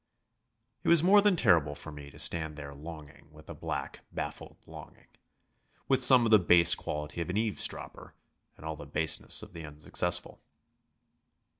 It was more than terrible for me to stand there longing with a black, baffled longing, with some of the base quality of an eavesdropper and all the baseness of the unsuccessful.